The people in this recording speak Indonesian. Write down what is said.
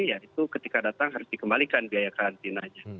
ya itu ketika datang harus dikembalikan biaya karantinanya